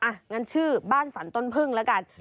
อ่ะงั้นชื่อบ้านสันต้นพึ่งละกัน